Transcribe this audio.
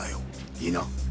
いいな？